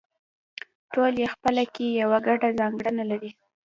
ټول یې خپله کې یوه ګډه ځانګړنه لري